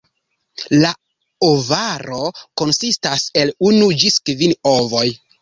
La ovaro konsistas el unu ĝis kvin ovoj.